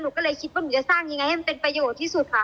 หนูก็เลยคิดว่าหนูจะสร้างยังไงให้มันเป็นประโยชน์ที่สุดค่ะ